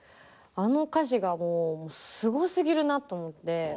あの歌詞がもうすごすぎるなと思って。